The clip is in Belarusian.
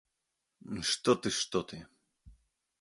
Што ты, што ты.